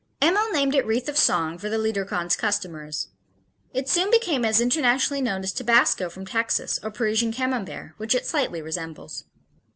Emil named it "Wreath of Song" for the Liederkranz customers. It soon became as internationally known as tabasco from Texas or Parisian Camembert which it slightly resembles.